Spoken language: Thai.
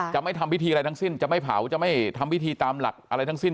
จะไม่ทำพิธีอะไรทั้งสิ้นจะไม่เผาจะไม่ทำพิธีตามหลักอะไรทั้งสิ้น